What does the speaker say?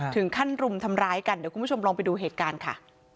ถึงขั้นรุมทำร้ายกันเดี๋ยวคุณผู้ชมลองไปดูเหตุการณ์ค่ะ